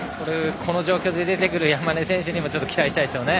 この状況で出てくる山根選手にも期待したいですよね。